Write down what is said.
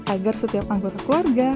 agar setiap anggota keluarga